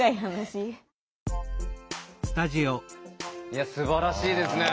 いやすばらしいですね。